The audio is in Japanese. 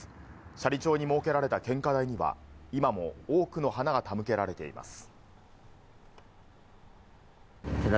斜里町に設けられた献花台には、今も多くの花が手向けられています。